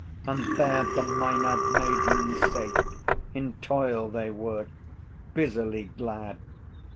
And there The Maenad maidens sate; in toil they were, Busily glad.